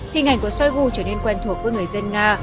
hình ảnh của shoigu trở nên quen thuộc với người dân nga